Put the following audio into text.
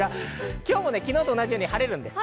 昨日と同じように晴れます。